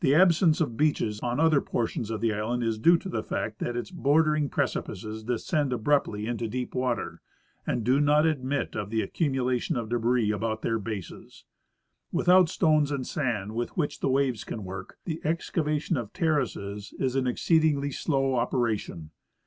The absence of beaches on other portions of the island is due to the fact that its bordering precipices descend abruptly into deep water, and do not admit of the accumulation of debris about their bases. With out stones and sand with which the waves can work, the excava tion of terraces is an exceedingly slow operation.